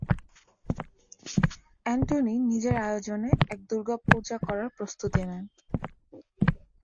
Antony নিজের আয়োজনে এক দুর্গাপূজা করার প্রস্তুতি নেন।